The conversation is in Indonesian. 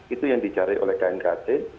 itu yang dicari oleh knkt